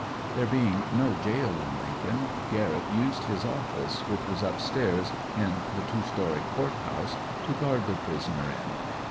There being no jail in Lincoln, Garrett used his office, which was up stairs in the two story court house, to guard the prisoner in.